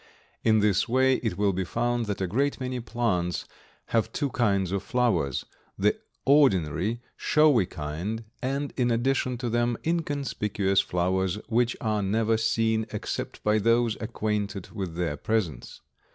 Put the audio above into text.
In this way it will be found that a great many plants have two kinds of flowers, the ordinary showy kind, and in addition to them inconspicuous flowers which are never seen except by those acquainted with their presence.